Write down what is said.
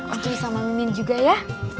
oke sama mimin juga ya